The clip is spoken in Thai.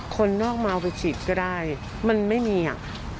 คนนอกมาวิจิตรก็ได้มันไม่มีอ่ะ